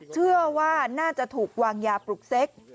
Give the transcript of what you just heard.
เชื่อว่าน่าจะถูกวางยาปลุกเซ็ก